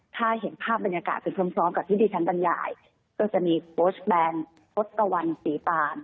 ถ้าเห็นภาพบรรยากาศเป็นพร้อมพร้อมกับที่ดิฉันบรรยายก็จะมีโฟสต์แบรนด์โฟสต์ตะวันสีตาล